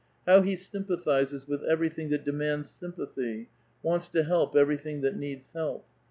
How he sym pathizes with everything that demands sympathy, wants to help everything that needs help